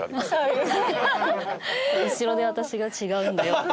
後ろで私が「違うんだよ」って。